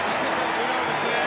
笑顔ですね。